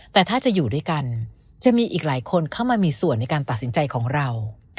แต่ถ้าจะอยู่ด้วยกันจะมีอีกหลายคนเข้ามามีส่วนในการตัดสินใจของเรา